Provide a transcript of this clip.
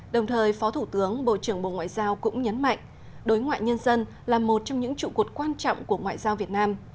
đồng thời phó thủ tướng bộ trưởng bộ ngoại giao cũng nhấn mạnh đối ngoại nhân dân là một trong những trụ cột quan trọng của ngoại giao việt nam